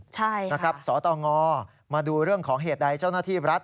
ใช่นะครับสตงมาดูเรื่องของเหตุใดเจ้าหน้าที่รัฐ